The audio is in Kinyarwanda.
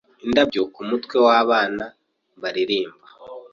indabyo kumutwe wabana baririrmba